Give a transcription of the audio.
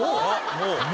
もう？